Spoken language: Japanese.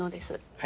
はい。